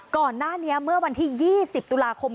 ก่อนหน้านี้เมื่อวันที่๒๐ตุลาคม